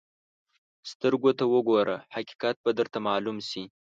سترګو ته وګوره، حقیقت به درته معلوم شي.